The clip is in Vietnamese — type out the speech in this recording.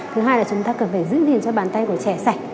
thứ hai là chúng ta cần phải giữ liền cho bàn tay của trẻ sạch